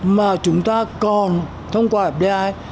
mà chúng ta còn thông qua fdi